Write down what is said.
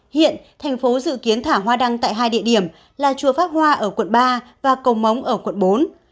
hiện thành phố dự kiến thả hoa đăng tại hai địa điểm là chùa pháp hoa ở quận ba và cầu móng ở quận bốn